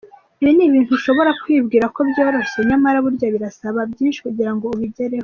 Ibi ni ibintu ushobora kwibwira ko byoroshye nyamara burya birasaba byinshi kugira ngo ubigereho.